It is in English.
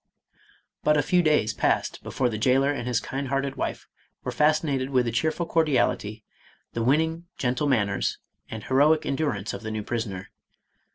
But a few days passed before the jailer and his kind hearted wife were fascinated with the cheerful cordiality, the winning, gentle manners, and heroic endurance of the new prisoner.